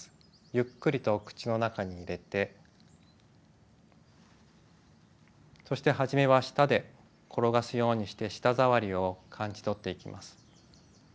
ゆっくりと口の中に入れてそしてはじめは舌で転がすようにして舌触りを感じ取っていきます。